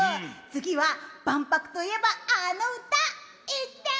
次は万博といえば、あの歌！